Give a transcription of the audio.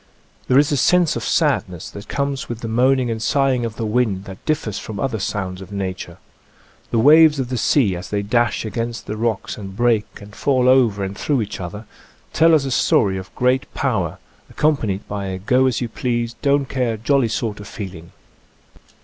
There is a sense of sadness that conies with the moaning and sighing of the wind that differs from other sounds of nature. The waves of the sea as they dash against the rocks and break and fall over and through each other, tell us a story of great power, ac companied by a go as you please, don't care, jolly sort of feeling.